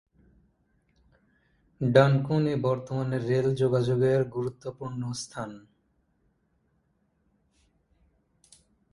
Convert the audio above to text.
ডানকুনি বর্তমানে রেল যোগাযোগের গুরুত্ব পূর্ন স্থান।